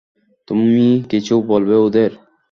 তুমি কিছু বলবে ওদের?